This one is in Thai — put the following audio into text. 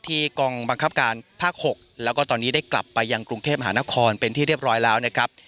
กองบังคับการภาค๖แล้วก็ตอนนี้ได้กลับไปยังกรุงเทพมหานครเป็นที่เรียบร้อยแล้วนะครับ